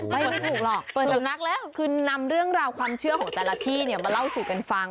ไม่เหมือนถูกหรอกเปิดสำนักแล้วคือนำเรื่องราวความเชื่อของแต่ละที่เนี่ยมาเล่าสู่กันฟัง